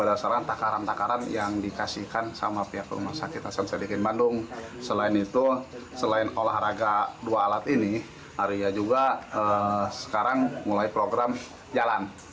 arya juga sekarang mulai program jalan